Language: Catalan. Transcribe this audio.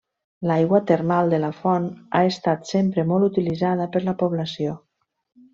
L'aigua termal de la font ha estat sempre molt utilitzada per la població.